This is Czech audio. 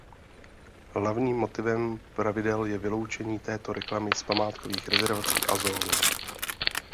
Hlavním motivem pravidel je vyloučení této reklamy z památkových rezervací a zón.